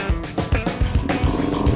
ini dia si biar